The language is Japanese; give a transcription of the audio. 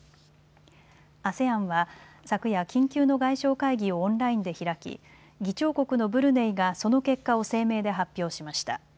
ＡＳＥＡＮは昨夜、緊急の外相会議をオンラインで開き議長国のブルネイがその結果を声明で発表しました。